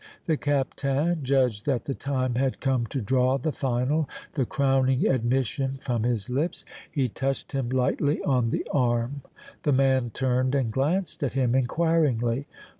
The Captain judged that the time had come to draw the final, the crowning admission from his lips. He touched him lightly on the arm. The man turned and glanced at him inquiringly.